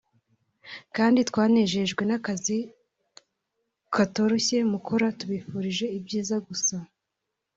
kandi twanejejwe n’ akazi katoroshye mukora tubifurije ibyiza gusa